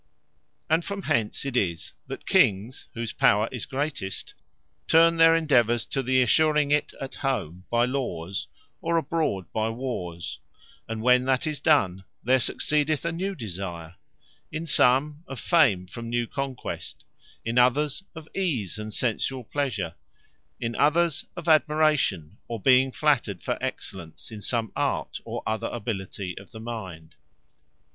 And from hence it is, that Kings, whose power is greatest, turn their endeavours to the assuring it a home by Lawes, or abroad by Wars: and when that is done, there succeedeth a new desire; in some, of Fame from new Conquest; in others, of ease and sensuall pleasure; in others, of admiration, or being flattered for excellence in some art, or other ability of the mind.